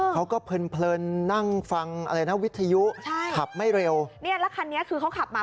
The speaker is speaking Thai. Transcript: เพลินเพลินนั่งฟังอะไรนะวิทยุใช่ขับไม่เร็วเนี่ยแล้วคันนี้คือเขาขับมา